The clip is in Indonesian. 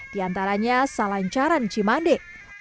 di antaranya salancaran cimande